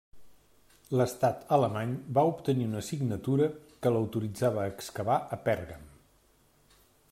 L'Estat alemany va obtenir una signatura que l'autoritzava a excavar a Pèrgam.